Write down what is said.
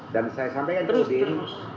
dan saya sampaikan ke udin